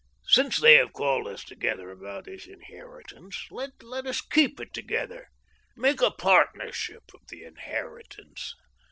Since they have called us together about this inheritance, let us keep together, make a partnership of the inheritance.